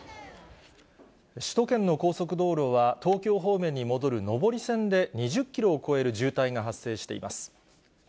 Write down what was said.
首都圏の高速道路は、東京方面に戻る上り線で、２０キロを超える渋滞が発生しています。